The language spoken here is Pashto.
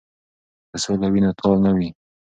که سوله وي نو تال نه وي.